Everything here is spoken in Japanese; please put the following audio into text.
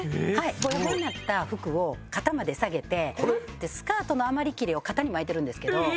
ボロボロになった服を肩まで下げてスカートの余りきれを肩に巻いてるんですけど。